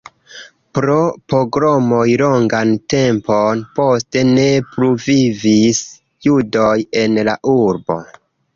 Pro pogromoj longan tempon poste ne plu vivis judoj en la urbo.